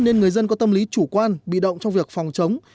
nên người dân có tâm lý chủ quan bị động trong việc phòng chống